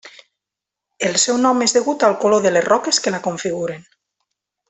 El seu nom és degut al color de les roques que la configuren.